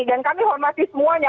dan kami hormati semuanya